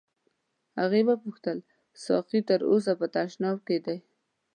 هغې وپوښتل ساقي تر اوسه په تشناب کې دی.